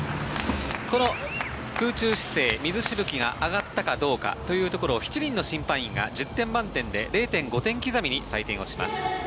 この空中姿勢、水しぶきが上がったかどうかを７人の審判員が１０点満点で０．５点刻みに採点します。